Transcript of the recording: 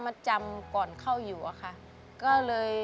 คุณหมอบอกว่าเอาไปพักฟื้นที่บ้านได้แล้ว